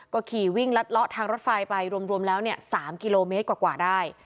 ก็ขี่วิ่งลัดเลาะทางรถไฟไปรวมแล้ว๓กิโลเมตรกว่าได้